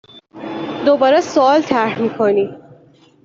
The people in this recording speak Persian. دوباره سؤال طرح می کنی